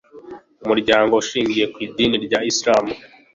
umuryango ushingiye kwidini rya isiramu